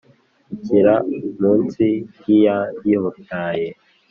Ikigera mu nsi yiyayibyaye.